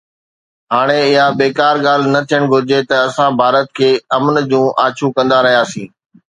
هاڻي اها بيڪار ڳالهه نه ٿيڻ گهرجي ته اسان ڀارت کي امن جون آڇون ڪندا رهياسين.